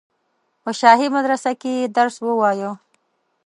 په شاهي مدرسه کې یې درس ووایه.